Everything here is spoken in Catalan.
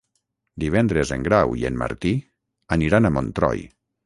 Divendres en Grau i en Martí aniran a Montroi.